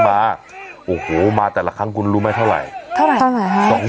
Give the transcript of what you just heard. มาโอ้โหมาแต่ละครั้งคุณรู้ไหมเท่าไหร่เท่าไหร่ฮะ